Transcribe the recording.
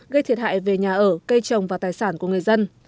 gây thiệt hại về nhà ở cây trồng và tài sản của người dân